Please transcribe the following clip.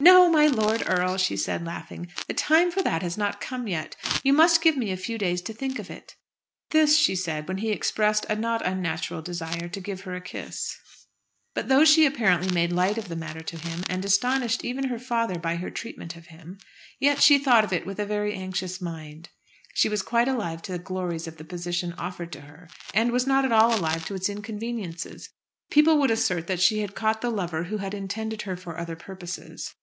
"No, my lord earl," she said laughing, "the time for that has not come yet. You must give me a few days to think of it." This she said when he expressed a not unnatural desire to give her a kiss. But though she apparently made light of the matter to him, and astonished even her father by her treatment of him, yet she thought of it with a very anxious mind. She was quite alive to the glories of the position offered to her, and was not at all alive to its inconveniences. People would assert that she had caught the lover who had intended her for other purposes.